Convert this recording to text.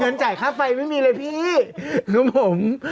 เงินจ่ายค่าไฟไม่มีเลยพี่ครับผม